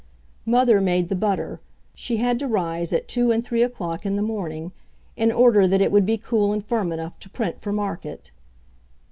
Mother made the butter. She had to rise at two and three o'clock in the morning, in order that it would be cool and firm enough to print for market.